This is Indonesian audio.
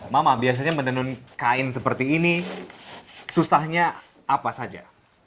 mama biasanya menenun kain seperti ini susahnya apa saja